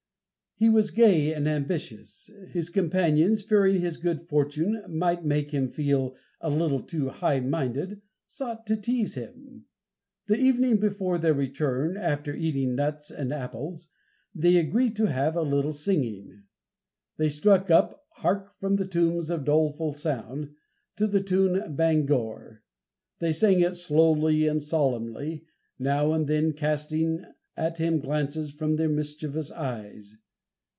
He was gay and ambitious. His companions fearing his good fortune might make him feel a "little too high minded," sought to tease him. The evening before their return, after eating nuts and apples, they agreed to have a little singing. They struck up "Hark, from the Tombs a Doleful Sound," to the tune, Bangor. They sang it slowly and solemnly, now and then casting at him glances from their mischievous eyes.